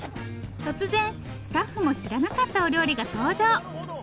突然スタッフも知らなかったお料理が登場！